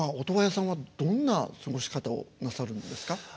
音羽屋さんはどんな過ごし方をなさるんですか？